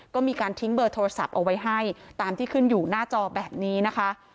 ก็มีการทิ้งเบอร์โทรศัพท์เอาไว้ให้ตามที่ขึ้นอยู่หน้าจอแบบนี้นะคะ